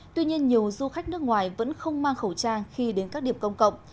tuy nhiên nhiều du khách nước ngoài vẫn không mang khẩu trang khi đến các điểm công cộng